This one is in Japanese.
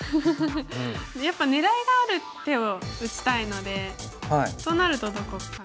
やっぱ狙いがある手を打ちたいのでとなるとどこかっていう。